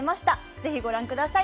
ぜひご覧ください。